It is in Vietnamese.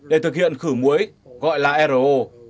để thực hiện khử muối gọi là ro